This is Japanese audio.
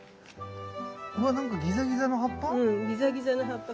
うわ何かギザギザの葉っぱ？